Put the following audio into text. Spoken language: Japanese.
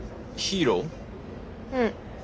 うん。